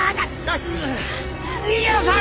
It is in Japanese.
逃げなさい！